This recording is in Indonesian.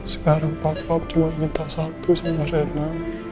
sekarang papa cuma minta satu sama rena